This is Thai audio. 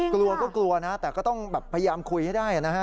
กลัวก็กลัวนะแต่ก็ต้องแบบพยายามคุยให้ได้นะฮะ